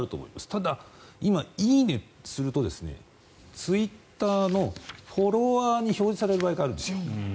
ただ、今、「いいね」するとツイッターのフォロワーに表示される場合があるんですよ。